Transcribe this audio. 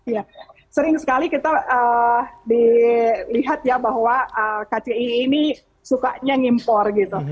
ya sering sekali kita dilihat ya bahwa kci ini sukanya ngimpor gitu